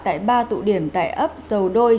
tại ba tụ điểm tại ấp dầu đôi